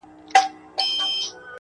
يمه دي غلام سترگي راواړوه,